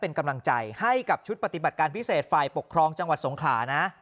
เป็นกำลังใจให้กับชุดปฏิบัติการพิเศษฝ่ายปกครองจังหวัดสงขลานะ